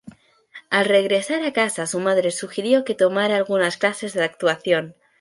Al regresar a casa, su madre sugirió que tomar algunas clases de actuación.